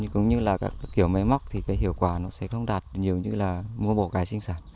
cũng như là các kiểu máy móc thì cái hiệu quả nó sẽ không đạt nhiều như là mua bò cái sinh sản